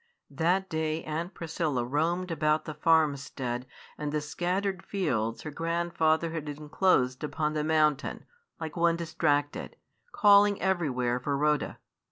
That day Aunt Priscilla roamed about the farmstead and the scattered fields her grandfather had enclosed upon the mountain, like one distracted, calling everywhere for Rhoda.